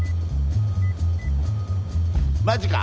マジか。